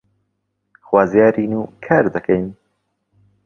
خوازیارین و کار دەکەین